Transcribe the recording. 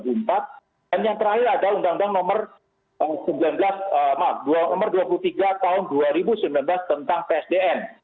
dan yang terakhir adalah undang undang nomor dua puluh tiga tahun dua ribu sembilan belas tentang psdn